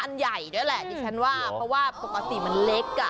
อันใหญ่ด้วยแหละดิฉันว่าเพราะว่าปกติมันเล็กอ่ะ